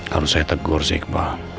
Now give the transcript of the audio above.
harus saya tegur zikpa